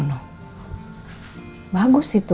senang kamu berpikiran seperti itu